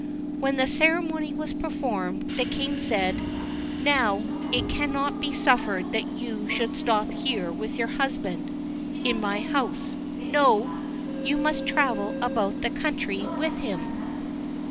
When the ceremony was performed, the king said: "Now, it cannot be suffered that you should stop here with your husband, in my house; no! you must travel about the country with him."